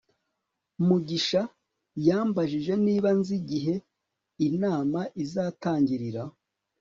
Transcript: mugisha yambajije niba nzi igihe inama izatangirira